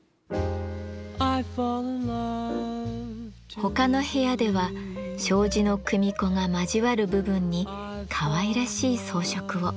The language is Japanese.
他の部屋では障子の組子が交わる部分にかわいらしい装飾を。